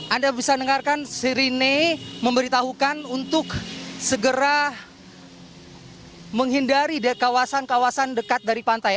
anda bisa dengarkan sirine memberitahukan untuk segera menghindari kawasan kawasan dekat dari pantai